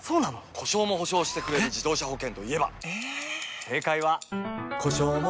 故障も補償してくれる自動車保険といえば？